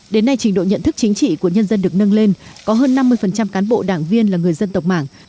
đến nay trình độ nhận thức chính trị của nhân dân được nâng lên có hơn năm mươi cán bộ đảng viên là người dân tộc mảng